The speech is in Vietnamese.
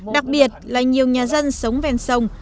đặc biệt là nhiều nhà dân sống ven sông